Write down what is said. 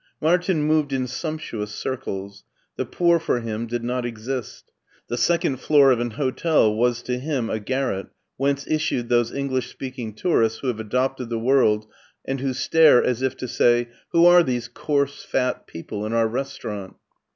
Martin moved in sumptuous circles; the poor for « him did not exist 1 he second floor of an hotel was to him a garret whence issued those English speaking tourists who have adopted the world and who stare as if to say, " Who are these coarse, fat people in our restaurant